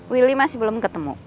willy masih belum ketemu